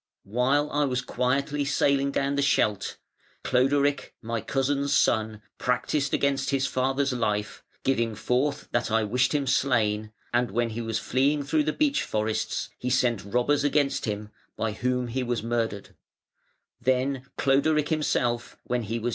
While I was quietly sailing down the Scheldt, Cloderic, my cousin's son, practised against his father's life, giving forth that I wished him slain, and when he was fleeing through the beech forests he sent robbers against him, by whom he was murdered.